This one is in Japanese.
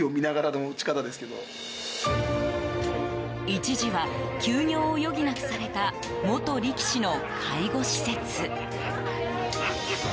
一時は休業を余儀なくされた元力士の介護施設。